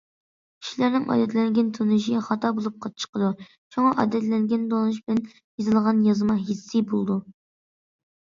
كىشىلەرنىڭ ئادەتلەنگەن تونۇشى خاتا بولۇپ چىقىدۇ، شۇڭا ئادەتلەنگەن تونۇش بىلەن يېزىلغان يازما ھېسسىي بولىدۇ.